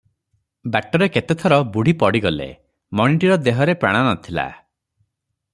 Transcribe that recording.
ବାଟରେ କେତେଥର ବୁଢ଼ୀ ପଡ଼ିଗଲେ- ମଣିଟିର ଦେହରେ ପ୍ରାଣ ନ ଥିଲା ।